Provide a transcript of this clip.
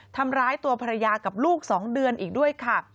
ทำร้ายตัวภรรยากับลูก๒เดือนอีกด้วยค่ะ